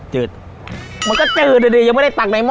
จืดมันก็จืดเลยยังไม่ได้ตักในหม้อ